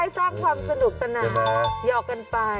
สามีมารำใกล้สร้างความสนุกต่าง